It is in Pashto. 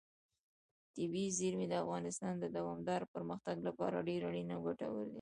طبیعي زیرمې د افغانستان د دوامداره پرمختګ لپاره ډېر اړین او ګټور دي.